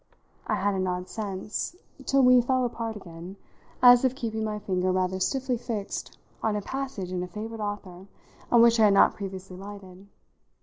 I had an odd sense, till we fell apart again, as of keeping my finger rather stiffly fixed on a passage in a favourite author on which I had not previously lighted.